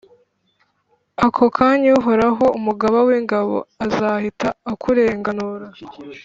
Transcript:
Ako kanya, Uhoraho, Umugaba w’ingabo, azahita akurenganura,